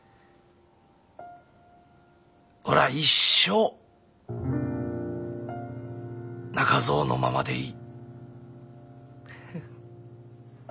俺は一生中蔵のままでいい。